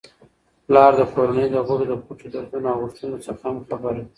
پلار د کورنی د غړو د پټو دردونو او غوښتنو څخه هم خبر وي.